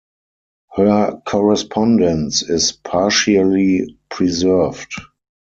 Her correspondence is partially preserved.